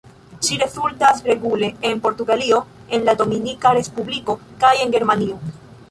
Ŝi rezultas regule en Portugalio, en la Dominika Respubliko kaj en Germanio.